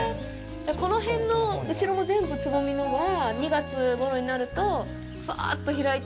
この辺の後ろも全部つぼみのが２月ごろになるとふわっと開いて。